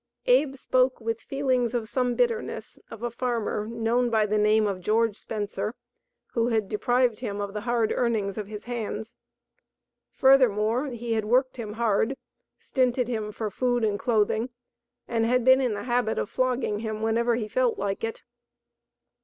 Abe spoke with feelings of some bitterness of a farmer known by the name of George Spencer, who had deprived him of the hard earnings of his hands. Furthermore, he had worked him hard, stinted him for food and clothing and had been in the habit of flogging him whenever he felt like it.